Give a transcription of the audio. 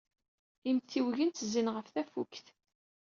Imtiwgen ttezzin ɣef Tafukt.